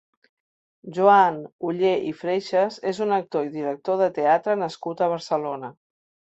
Joan Ollé i Freixas és un actor i director de teatre nascut a Barcelona.